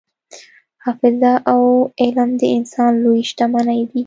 حافظه او علم د انسان لویې شتمنۍ دي.